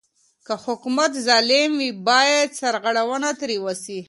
که حکومت ظالم وي بايد سرغړونه ترې وسي.